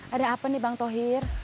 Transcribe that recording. ada apa nih bang tohir